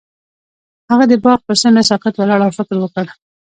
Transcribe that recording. هغه د باغ پر څنډه ساکت ولاړ او فکر وکړ.